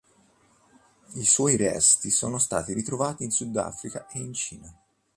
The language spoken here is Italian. I suoi resti sono stati ritrovati in Sudafrica e in Cina.